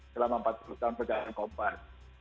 selama empat puluh tahun perjalanan kompas